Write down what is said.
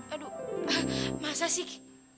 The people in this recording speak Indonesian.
aduh masa sih